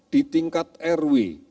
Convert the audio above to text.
di tingkat rw